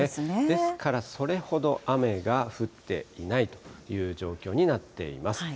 ですから、それほど雨が降っていないという状況になっています。